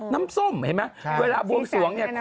น้ำส้มเห็นไหมเวลาบวงสวงเนี่ย